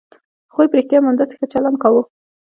هغوی په رښتيا هم همداسې ښه چلند کاوه.